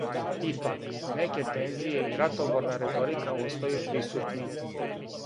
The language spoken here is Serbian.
Ипак, неке тензије и ратоборна реторика остају присутни.